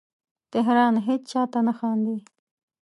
تهران هیچا ته نه خاندې